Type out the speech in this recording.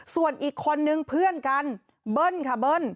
ส่วนอีกคนนึงเพื่อนกันเบิ้ลค่ะเบิ้ล